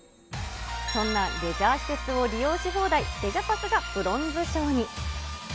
そんなレジャー施設を利用し放題、レジャパスがブロンズ賞に。